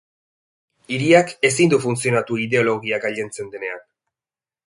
Hiriak ezin du funtzionatu ideologia gailentzen denean.